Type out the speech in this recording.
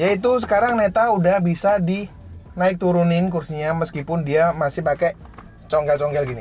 yaitu sekarang neta udah bisa di naik turunin kursinya meskipun dia masih pake conggel conggel gini